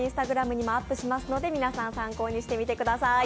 Ｉｎｓｔａｇｒａｍにもアップしますので皆さん、参考にしてみてください。